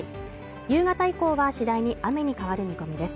夕方以降は次第に雨に変わる見込みです